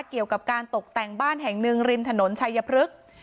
เกี่ยวกับการตกแต่งบ้านแห่งหนึ่งริมถนนชัยพฤกษ์